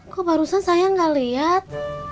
kok barusan saya nggak lihat